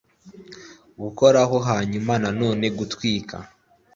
gukoraho hanyuma na none - gutwika